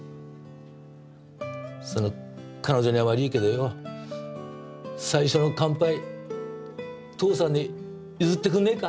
その彼女には悪いけどよ最初の乾杯父さんに譲ってくんねえか？